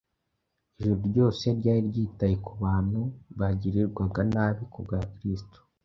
Ijuru ryose ryari ryitaye ku bantu bagirirwaga nabi kubwa Kristo